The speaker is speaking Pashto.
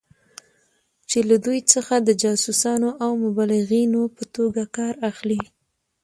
چې له دوی څخه د جاسوسانو او مبلغینو په توګه کار اخلي.